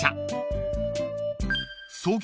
［創業